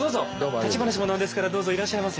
立ち話もなんですからどうぞいらっしゃいませ。